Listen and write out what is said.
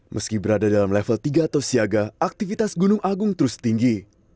meski berada dalam level tiga atau siaga aktivitas gunung agung terus tinggi